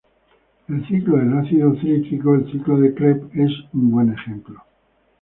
El ciclo del ácido cítrico, el ciclo de Krebs, es un buen ejemplo.